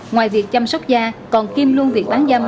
ngoài việc chăm sóc da còn kim luôn việc bán dâm